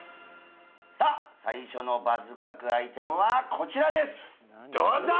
さあ最初のバズ確アイテムはこちらですどうぞ！